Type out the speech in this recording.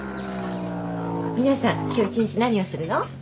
皆さん今日一日何をするの？